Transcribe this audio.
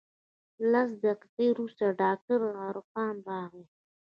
لس دقيقې وروسته ډاکتر عرفان راغى.